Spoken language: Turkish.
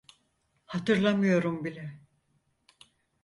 Hatırlamıyorum bile.